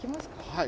はい。